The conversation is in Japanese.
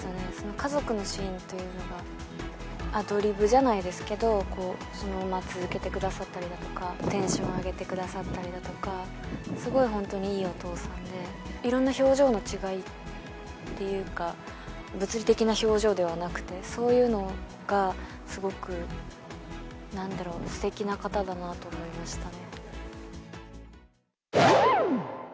家族のシーンというのが、アドリブじゃないですけど、そのまま続けてくださったりだとか、テンション上げてくださったりだとか、すごい本当にいいお父さんで、いろんな表情の違いっていうか、物理的な表情ではなくて、そういうのがすごく、なんだろう、すてきな方だなと思いましたね。